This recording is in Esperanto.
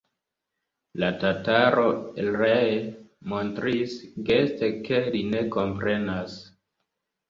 La tataro ree montris geste, ke li ne komprenas.